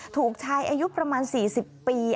ถูกชายอายุประมาณ๔๐ปี